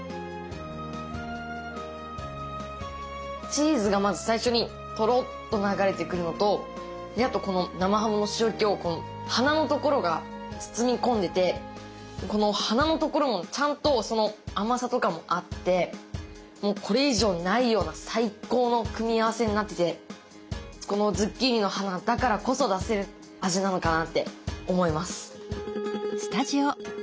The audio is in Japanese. チーズがまず最初にトロッと流れてくるのとあとこの生ハムの塩けを花のところが包み込んでてこの花のところもちゃんと甘さとかもあってこれ以上ないような最高の組み合わせになっててこのズッキーニの花だからこそ出せる味なのかなって思います。